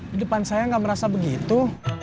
di depan saya nggak merasa begitu